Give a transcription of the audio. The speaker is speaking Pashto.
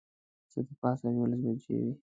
څه د پاسه یوولس بجې وې.